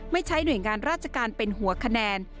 ไม่ใช้หน่วยงานราชการเป็นหัวแขนม